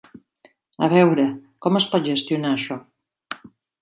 A veure... com es pot gestionar això?